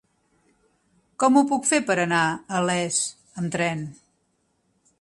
Com ho puc fer per anar a Les amb tren?